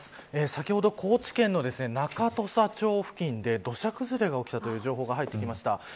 先ほど高知県の中土佐町付近で土砂崩れが起きたという情報が入ってきました。